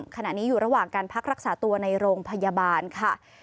ขณะนี้อยู่ระหว่างการพักรักษาตัวในโรงพยาบาลค่ะ